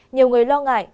nhiều người lo ngại